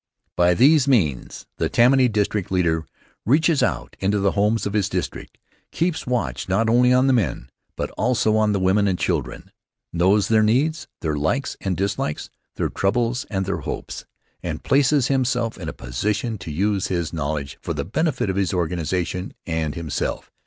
By these means the Tammany district leader reaches out into the homes of his district, keeps watch not only on the men, but also on the women and children; knows their needs, their likes and dislikes, their troubles and their hopes, and places himself in a position to use his knowledge for the benefit of his organization and himself.